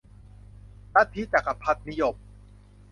ลัทธิจักรพรรดินิยม